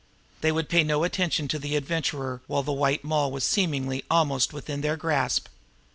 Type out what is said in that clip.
They would pay no attention to the Adventurer while the White Moll was seemingly almost within their grasp.